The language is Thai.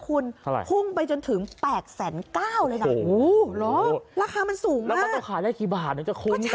นะคุณครู้ไปจนถึง๘๐๙๐๐๐บาทเลยเหรอราคามันสู่มากะควบคมมาก